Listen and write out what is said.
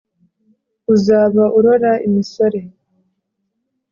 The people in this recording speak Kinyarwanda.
uzaba urora imisore